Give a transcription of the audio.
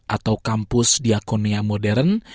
atau kampus diakonia modern